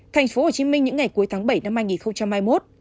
tp hcm những ngày cuối tháng bảy năm hai nghìn hai mươi một